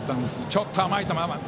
ちょっと甘い球に。